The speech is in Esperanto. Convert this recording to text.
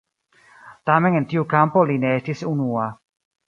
Tamen en tiu kampo li ne estis unua.